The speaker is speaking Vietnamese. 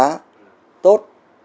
rất là tốt